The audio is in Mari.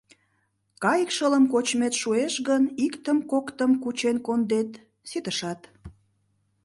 Кайык шылым кочмет шуэш гын, иктым-коктым кучен кондет — ситышат.